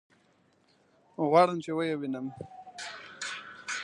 غواړم چې ويې وينم.